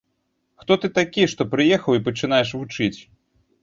Хто ты такі, што прыехаў і пачынаеш вучыць.